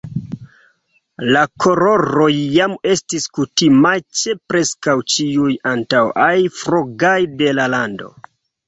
La koloroj jam estis kutimaj ĉe preskaŭ ĉiuj antaŭaj flagoj de la lando.